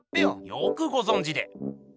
よくごぞんじで。